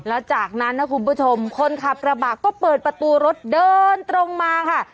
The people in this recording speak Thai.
แล้วจากนั้นนะคุณผู้ชมคนขับกระบะก็เปิดประตูรถเดินตรงมาค่ะ